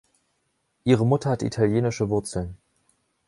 Ihre Mutter hat italienische Wurzeln.